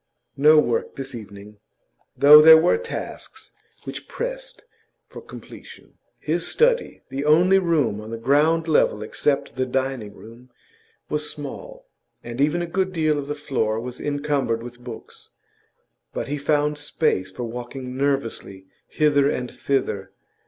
No work this evening, though there were tasks which pressed for completion. His study the only room on the ground level except the dining room was small, and even a good deal of the floor was encumbered with books, but he found space for walking nervously hither and thither.